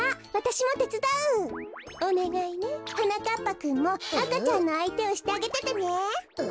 ぱくんもあかちゃんのあいてをしてあげててねえ。